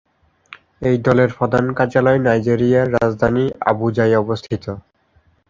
এই দলের প্রধান কার্যালয় নাইজেরিয়ার রাজধানী আবুজায় অবস্থিত।